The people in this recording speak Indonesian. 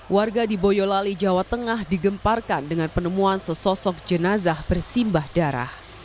warga di boyolali jawa tengah digemparkan dengan penemuan sesosok jenazah bersimbah darah